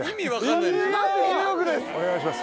ニューヨークです。